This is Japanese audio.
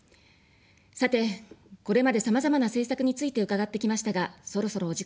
さて、これまで、さまざまな政策について伺ってきましたが、そろそろお時間です。